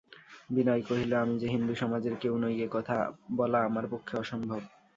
বিনয় কহিল, আমি যে হিন্দুসমাজের কেউ নই এ কথা বলা আমার পক্ষে অসম্ভব।